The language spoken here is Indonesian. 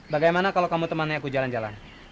bagaimana kalau kamu temannya aku jalan jalan